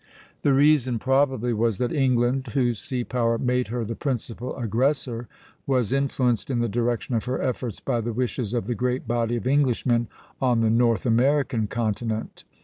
The reason probably was that England, whose sea power made her the principal aggressor, was influenced in the direction of her efforts by the wishes of the great body of Englishmen on the North American continent.